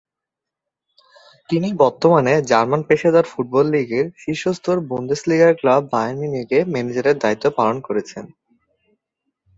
তিনি বর্তমানে জার্মান পেশাদার ফুটবল লীগের শীর্ষ স্তর বুন্দেসলিগার ক্লাব বায়ার্ন মিউনিখে ম্যানেজারের দায়িত্ব পালন করছেন।